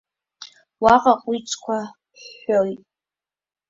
Уаҟа акәицқәа ҳәҳәоит.